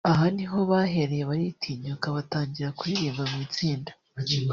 Aha niho bahereye baritinyuka batangira kuririmba mu itsinda